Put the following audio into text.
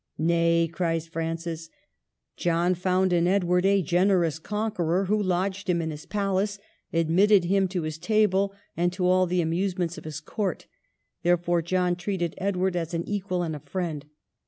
" Nay," cried Francis, *' John found in Edward a generous conqueror, who lodged him in his palace, admitted him to his table, and to all the amusements of his court; therefore John treated Edward as an equal and a friend.